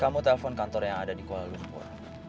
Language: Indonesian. kamu telpon kantor yang ada di kuala lumpur